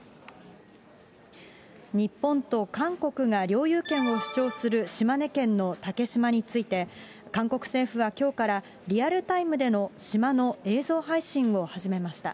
日本と韓国が領有権を主張する島根県の竹島について、韓国政府はきょうからリアルタイムでの島の映像配信を始めました。